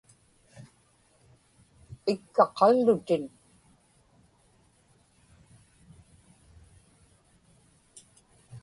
ikka qallutin